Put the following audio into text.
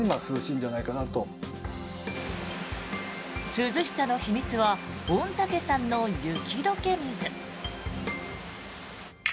涼しさの秘密は御嶽山の雪解け水。